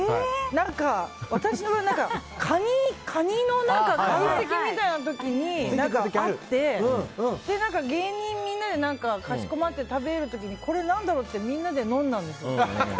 私はカニの懐石みたいな時にあって芸人みんなでかしこまって食べる時にこれ何だろうってみんなで飲んだんですよ。